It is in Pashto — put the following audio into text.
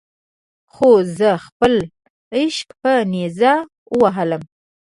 خو زه خپل عشق په نیزه ووهلم.